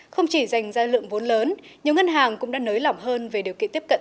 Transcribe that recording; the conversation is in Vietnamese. không chỉ dành ra lượng vốn lớn nhiều ngân hàng cũng đã nới lỏng hơn về điều kiện tiếp cận